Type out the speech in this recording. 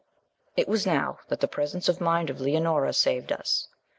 It was now that the presence of mind of Leonora saved us.